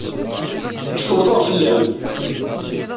Cewḍeɣ fell-am.